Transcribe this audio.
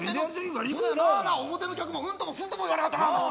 表の客もうんともすんとも言わなかったな。